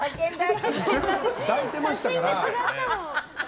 写真が違ったもん。